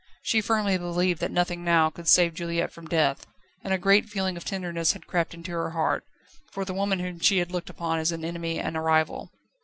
She firmly believed that nothing now could save Juliette from death, and a great feeling of tenderness had crept into her heart, for the woman whom she had looked upon as an enemy and a rival.